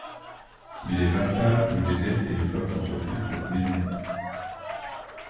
Mais les Vassal ont des dettes et ne peuvent entretenir cette maison.